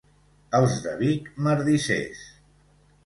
Els de Vic, merdissers.